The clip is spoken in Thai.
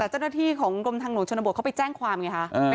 แต่เจ้าหน้าที่ของกรมทางหลวงชนบวกเขาไปแจ้งความอย่างนี้ค่ะ